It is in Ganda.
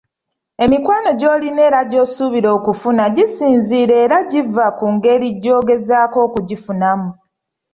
Emikwano gy’olina era gy’osuubira okufuna gisinziira era giva ku ngeri gy’ogezaako okugifunamu.